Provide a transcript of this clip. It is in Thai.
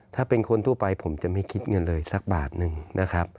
ถ้าเป็นคนทั่วไปผมจะไม่คิดเงินเลยสักบาทหนึ่งนะครับ